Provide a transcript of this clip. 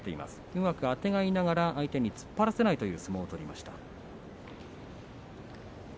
うまくあてがいながら相手に突っ張らせないという相撲を取りました。